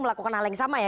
melakukan hal yang sama ya